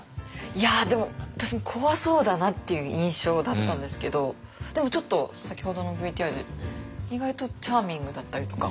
いやでも私も怖そうだなっていう印象だったんですけどでもちょっと先ほどのＶＴＲで意外とチャーミングだったりとか。